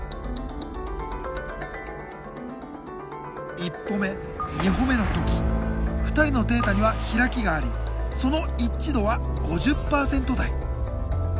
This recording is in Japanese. １歩目２歩目の時２人のデータには開きがありその一致度は５０％台。